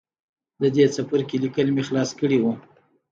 د دې څپرکي ليکل مې خلاص کړي وو.